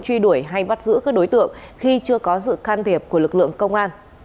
truy đuổi hay bắt giữ các đối tượng khi chưa có sự can thiệp của lực lượng công an